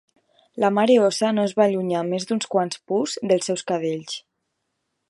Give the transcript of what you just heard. La mare ossa no es va allunyar més d'uns quants pus dels seus cadells.